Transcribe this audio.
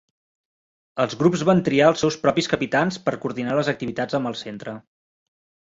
Els grups van triar els seus propis capitans per coordinar les activitats amb el centre.